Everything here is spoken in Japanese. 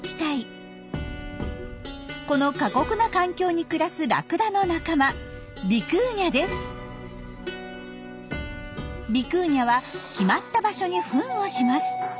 この過酷な環境に暮らすラクダの仲間ビクーニャは決まった場所にフンをします。